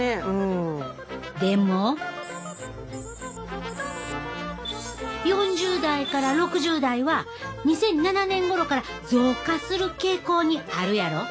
でも４０代から６０代は２００７年ごろから増加する傾向にあるやろ。